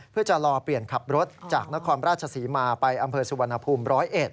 เพื่อจะรอเปลี่ยนขับรถจากนครราชศรีมาไปอำเภอสุวรรณภูมิ๑๐๑